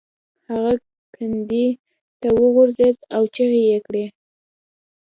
هغه کندې ته وغورځید او چیغې یې کړې.